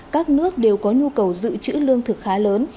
các nước đều có nhu cầu giữ chữ lương thực khá lớn